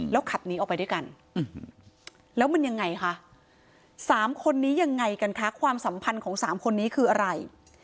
ขับหนีออกไปด้วยกันแล้วมันยังไงคะสามคนนี้ยังไงกันคะความสัมพันธ์ของสามคนนี้คืออะไร